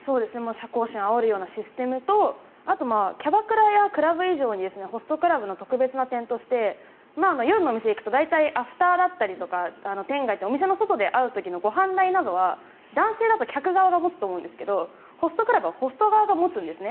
射幸心をあおるようなシステムとあと、キャバクラやクラブ以上にホストクラブの特別な点として夜のお店行くと大体、アフターだったり店外お店の外で会う時のご飯代は男性だと客側が持つと思うんですがホストクラブはホスト側が持つんです。